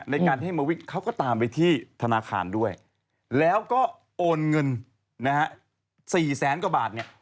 แทนที่จะโอนเข้าบัญชีของงพยาบาลนะโอนเข้าของตัวเอง๔๐๐๐๐๐กว่าบาทหมดเลย